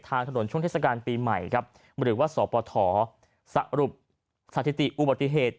ทางถนนช่วงเทศกาลปีใหม่ครับหรือว่าสปฐสรุปสถิติอุบัติเหตุ